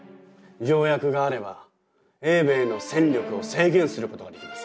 条約があれば英米の戦力を制限することができます。